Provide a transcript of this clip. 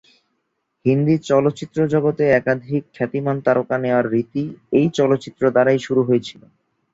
হিন্দি চলচ্চিত্র জগতে একাধিক খ্যাতিমান তারকা নেওয়ার রীতি এই চলচ্চিত্র দ্বারাই শুরু হয়েছিলো।